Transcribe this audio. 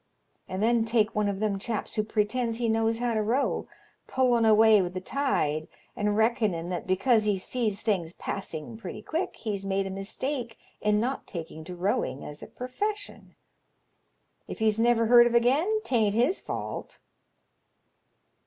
And then take one of them chaps who pretends he knows how to row, pulhn' away with the tide, , and reckonin' that because he sees things passing pretty quick he's made a mistake in not taking to rowing as a purfession. If he's never heard of again 'tain't his fault."